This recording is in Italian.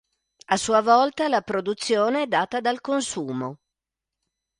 A sua volta la produzione è data dal consumo.